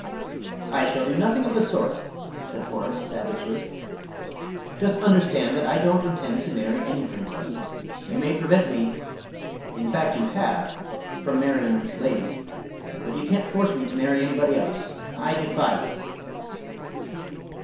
"I shall do nothing of the sort," said Horace, savagely. "Just understand that I don't intend to marry any Princess. You may prevent me in fact, you have from marrying this lady, but you can't force me to marry anybody else. I defy you!"